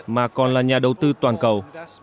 mà còn là nhà đầu tư toàn cầu